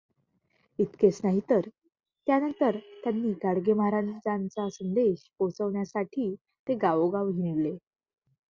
इतकेच नाहीत तर त्यानंतर त्यांनी गाडगेमहाराजांचा संदेश पोचवण्यासाठी ते गावोगाव हिंडले.